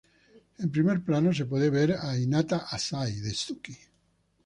En primer plano se puede ver a Hinata Asahi, de Suki.